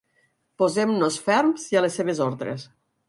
Posem-nos ferms i a la seves ordres.